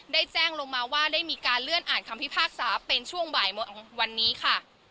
ได้แจ้งลงมาว่าได้มีการเลื่อนอ่านคำพิพากษาเป็นช่วงบ่ายของวันนี้ค่ะ